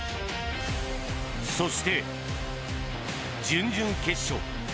そして準々決勝。